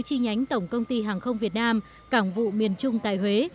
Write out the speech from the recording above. chi nhánh tổng công ty hàng không việt nam cảng vụ miền trung tại huế